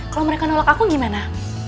kalau mereka nolak aku gimana